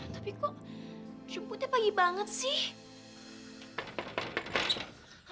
tapi kok jemputnya pagi banget sih